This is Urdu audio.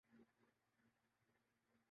اسرائیل بھی دنیا کے سامنے خو دکو مظلوم کہتا ہے۔